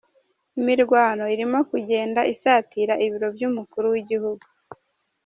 : imirwano irimo kugenda isatira ibiro by’umukuru w’igihugu